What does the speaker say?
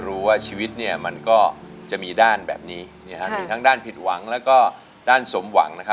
คือน้องไม่ได้อยากคำคาดนะคะแต่ว่าที่เนี่ยมันเป็นเรื่องของเกม